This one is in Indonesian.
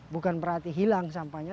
bukan berarti hilang sampahnya